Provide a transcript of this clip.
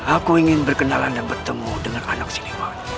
aku ingin berkenalan dan bertemu dengan anak sinema